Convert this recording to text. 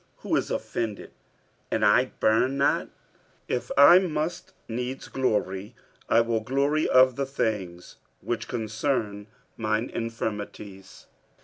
who is offended, and I burn not? 47:011:030 If I must needs glory, I will glory of the things which concern mine infirmities.